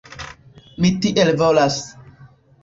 Mi tiel volas.